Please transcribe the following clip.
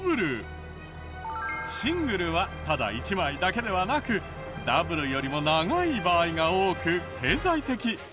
シングルはただ一枚だけではなくダブルよりも長い場合が多く経済的。